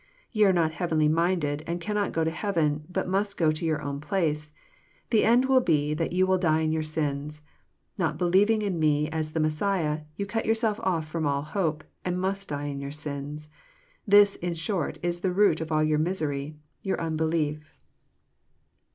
You are not heavenly minded, and cannot go to heaven, but must go to your own place. The end will be that you will die in your sins. Not believing in Me as the Mes siah, you cut yourselves off ftt)ra all hope, and must die in your sins. This, in short, is the root of all your misery — ^your un« belief."